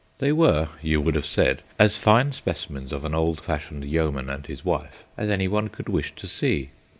They were, you would have said, as fine specimens of an old fashioned yeoman and his wife as anyone could wish to see.